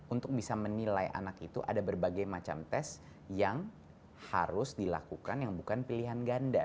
untuk bisa menilai anak itu ada berbagai macam tes yang harus dilakukan yang bukan pilihan ganda